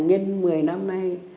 ngân một mươi năm nay